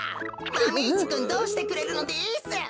マメ１くんどうしてくれるのです？